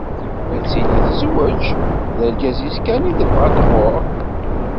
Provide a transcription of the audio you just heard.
Ad tili tezweǧ, d argaz-is kan i tebɣa ad tɣurr.